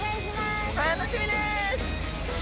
楽しみです。